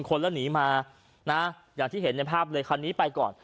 คนแล้วหนีมานะอย่างที่เห็นในภาพเลยคันนี้ไปก่อน